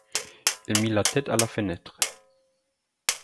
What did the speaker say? Il mit la tête à la fenêtre.